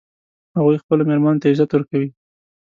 هغوی خپلو میرمنو ته عزت ورکوي